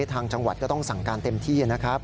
ทางจังหวัดก็ต้องสั่งการเต็มที่นะครับ